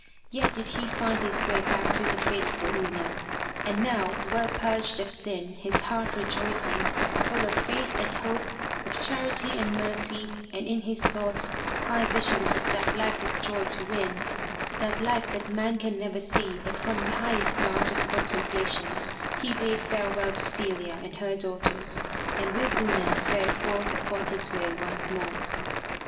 Yet did he find his way back to the faithful Una. And now, well purged of sin, his heart rejoicing, full of faith and hope, of charity and mercy, and in his thoughts high visions of that life of joy to win, that life that man can never see but from the highest mount of contemplation, he bade farewell to Celia and her daughters and with Una fared forth upon his way once more.